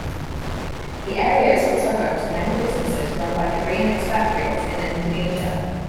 The area is also home to many businesses run by Korean expatriates in Indonesia.